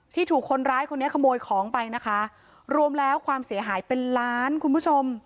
ถูกคนร้ายคนนี้ขโมยของไปนะคะรวมแล้วความเสียหายเป็นล้านคุณผู้ชม